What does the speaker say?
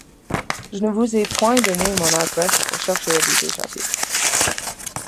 Je ne vous ai point donné mon adresse pour chercher à vous échapper.